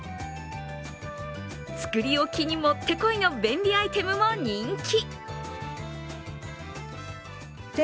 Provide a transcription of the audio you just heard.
作り置きにもってこいの便利アイテムも人気。